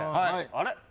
あれ？